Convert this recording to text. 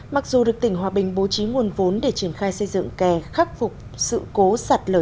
mặc dù được tỉnh hòa bình bố trí nguồn vốn để triển khai xây dựng kè khắc phục sự cố sạt lở